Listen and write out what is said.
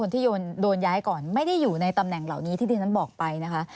ที่โดนย้ายก่อนไม่ได้อยู่ในตำแหน่งเหล่านี้ที่ที่ฉันบอกไปนะคะ